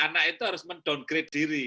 jadi anak itu harus mendowngrade diri